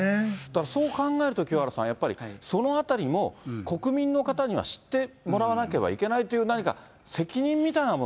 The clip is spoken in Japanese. だからそう考えると、清原さん、やっぱりそのあたりも国民の方には知ってもらわなければいけないでしょうね。